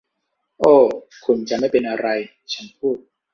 โอ้ คุณจะไม่เป็นอะไร ฉันพูด